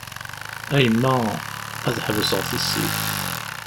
A yemma ad ḥebseɣ tissit.